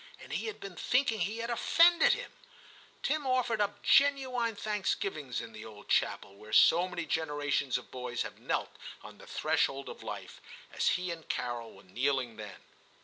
And he had been thinking he had offended him ! Tim offered up genuine thanksgivings in the old chapel, where so many generations of boys have knelt on the threshold of life, as he and Carol were kneeling then.